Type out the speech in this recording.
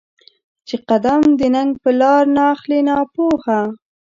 چې قـــــدم د ننــــــــګ په لار ناخلې ناپوهه